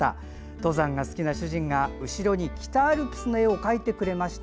登山が好きな主人が後ろに北アルプスの絵を描いてくれました。